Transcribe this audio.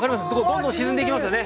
どんどん沈んでいきますよね。